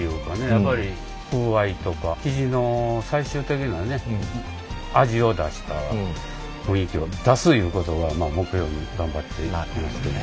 やっぱり風合いとか生地の最終的なね味を出した雰囲気を出すいうことを目標に頑張っていますけど。